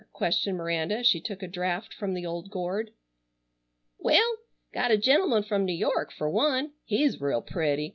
questioned Miranda as she took a draught from the old gourd. "Well, got a gentleman from New York fur one. He's real pretty.